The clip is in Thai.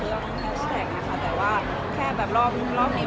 ข้าวต่างมันก็ค่อนข้างหวานค่อนข้างสวีทอะไรอย่างนี้